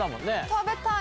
食べたい。